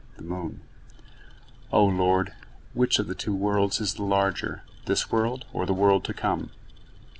The moon: "O Lord: which of the two worlds is the larger, this world or the world to come?"